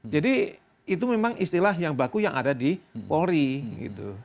jadi itu memang istilah yang baku yang ada di polri gitu